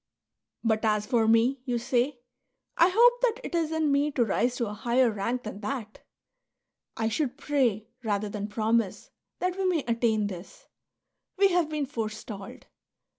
" But as for me," you say, " I hope that it is in me to rise to a higher rank than that !" I should pray, rather than promise, that we may attain this ; we have been forestalled.